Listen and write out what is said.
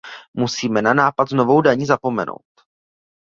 Musíme na nápad s novou daní zapomenout.